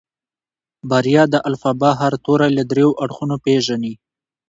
بريا د الفبا هر توری له دريو اړخونو پېژني.